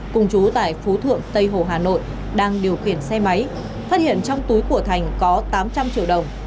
cùng chú tại phú thượng tây hồ hà nội đang điều khiển xe máy phát hiện trong túi của thành có tám trăm linh triệu đồng